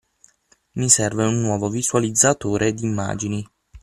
Mi serve un nuovo visualizzatore d'immagini.